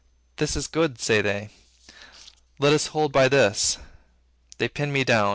This is good, say they, let us hold by this. They pin me down.